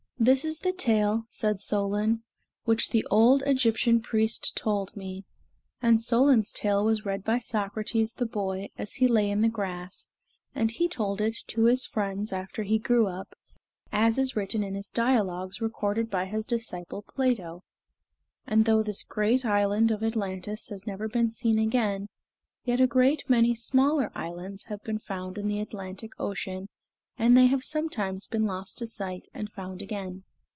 "This is the tale," said Solon, "which the old Egyptian priest told to me." And Solon's tale was read by Socrates, the boy, as he lay in the grass; and he told it to his friends after he grew up, as is written in his dialogues recorded by his disciple, Plato. And though this great island of Atlantis has never been seen again, yet a great many smaller islands have been found in the Atlantic Ocean, and they have sometimes been lost to sight and found again.